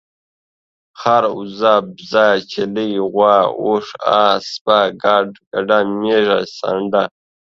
خر، اوزه، بيزه ، چيلۍ ، غوا، اوښ، اس، اسپه، ګډ، ګډه، ميښه، سانډه